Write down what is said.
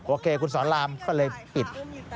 โอเคคุณสอนรามก็เลยปิด